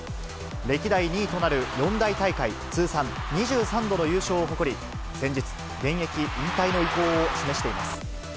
歴代２位となる四大大会通算２３度の優勝を誇り、先日、現役引退の意向を示しています。